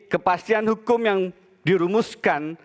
kepastian hukum yang dirumuskan